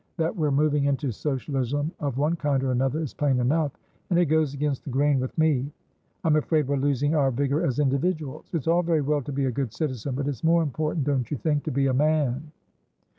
That we're moving into Socialism of one kind or another is plain enough, and it goes against the grain with me. I'm afraid we're losing our vigour as individuals. It's all very well to be a good citizen, but it's more important, don't you think, to be a man?"